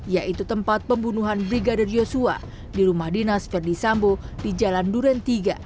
yaitu tempat pembunuhan brigadir yosua di rumah dinas verdi sambo di jalan duren tiga